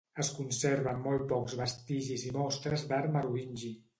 Es conserven molt pocs vestigis i mostres d'art merovingi.